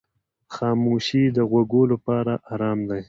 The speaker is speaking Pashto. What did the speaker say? خاموشي د غوږو لپاره آرام دی.